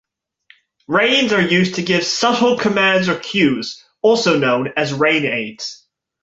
Reins are used to give subtle commands or cues, also known as rein aids.